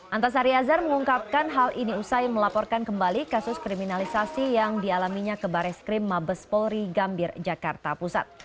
antasari azhar mengungkapkan hal ini usai melaporkan kembali kasus kriminalisasi yang dialaminya ke baris krim mabes polri gambir jakarta pusat